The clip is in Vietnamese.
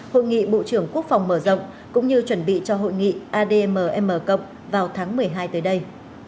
hội nghị bộ trưởng quốc phòng mở rộng cũng như chuẩn bị cho hội nghị admm vào tháng một mươi hai tới đây